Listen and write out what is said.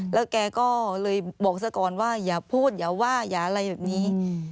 แล้วแกก็เลยบอกซะก่อนว่าอย่าพูดอย่าว่าอย่าอะไรแบบนี้